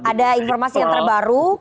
ada informasi yang terbaru